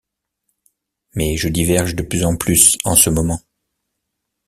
Mais je diverge de plus en plus en ce moment.